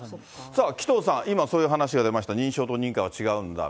さあ、紀藤さん、今、そういう話が出ました、認証と認可は違うんだ。